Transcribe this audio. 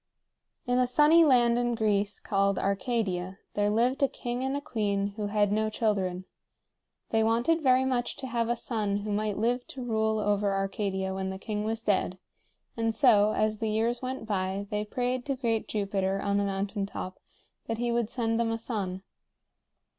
In a sunny land in Greece called Arcadia there lived a king and a queen who had no children. They wanted very much to have a son who might live to rule over Arcadia when the king was dead, and so, as the years went by, they prayed to great Jupiter on the mountain top that he would send them a son.